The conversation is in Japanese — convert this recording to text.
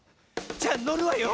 じゃあのるわよ。